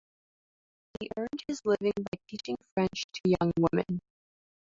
He earned his living by teaching French to young women.